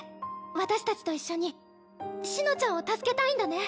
私たちと一緒に紫乃ちゃんを助けたいんだね？